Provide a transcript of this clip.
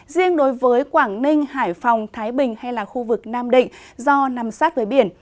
riêng đối với quảng ninh hải phòng thái bình hay khu vực nam định do nằm sát với biển